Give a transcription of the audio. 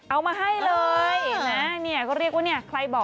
เอามาวางให้เฉยเลยเห็นไหม